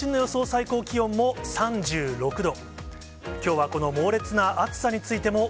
最高気温も３６度。